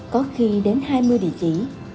có khi đến hai mươi địa chỉ